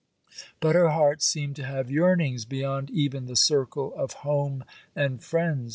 But her heart seemed to have yearnings beyond even the circle of home and friends.